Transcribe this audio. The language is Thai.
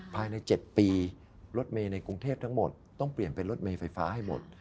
ภายใน๗ปีรถเมย์ในกรุงเทพทั้งหมดต้องเปลี่ยนเป็นรถเมย์ไฟฟ้าให้หมด